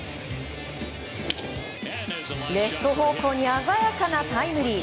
レフト方向に鮮やかなタイムリー。